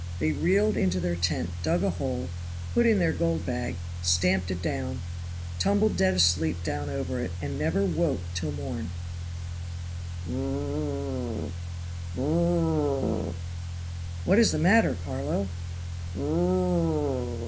They reeled into their tent, dug a hole, put in their gold bag, stamped it down, tumbled dead asleep down over it, and never woke till morn. Gn l r r r! gn l r r r! "What is the matter, Carlo?"